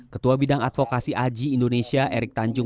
ketua bidang advokasi aji indonesia erick tanjung